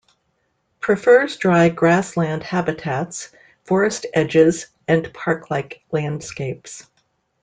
Prefers dry grassland habitats, forest edges, and park-like landscapes.